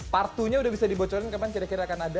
part dua nya udah bisa dibocorin kapan kira kira akan ada